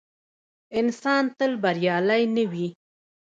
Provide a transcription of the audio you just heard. انسان تل بریالی نه وي.